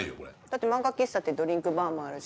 だって漫画喫茶ってドリンクバーもあるし